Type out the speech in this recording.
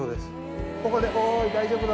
ここで。